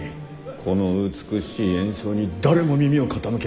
この美しい演奏に誰も耳を傾けんとは！